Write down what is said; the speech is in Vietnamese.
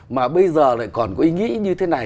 mà bây giờ lại còn có ý nghĩa như thế này